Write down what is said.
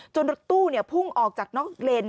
รถตู้พุ่งออกจากนอกเลน